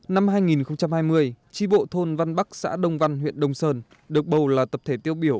năm hai nghìn hai mươi tri bộ thôn văn bắc xã đông văn huyện đông sơn được bầu là tập thể tiêu biểu